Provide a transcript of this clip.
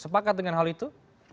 sepakat dengan hal itu